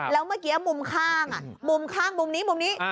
แล้วเมื่อกี้มุมข้างมุมข้างมุมนี้มุมนี้